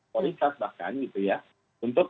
polis bahkan untuk